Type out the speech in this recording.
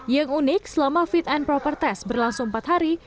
yang unik selama fit and proper test berlangsung empat hari